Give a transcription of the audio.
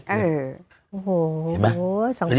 เห็นมั้ย